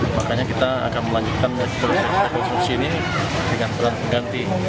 makanya kita akan melanjutkan konstruksi ini dengan peran pengganti